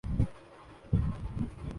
میں کامیاب رہے ہیں۔